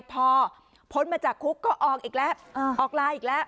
พอพ้นมาจากคุกก็ออกอีกแล้วออกไลน์อีกแล้ว